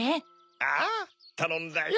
ああたのんだよ。